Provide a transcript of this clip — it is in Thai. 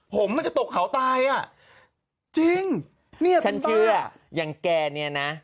ผมบ้าแล้วอ่ะฉันเชื่ออย่างแกเนี่ยนะ